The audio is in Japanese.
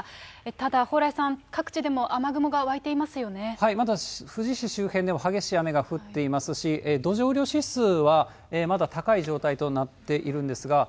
ただ、蓬莱さん、まだ富士市周辺でも激しい雨が降っていますし、土壌雨量指数は、まだ高い状態となっているんですが。